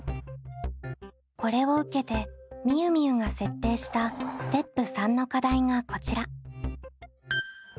これを受けてみゆみゆが設定したステップ③の課題がこちら。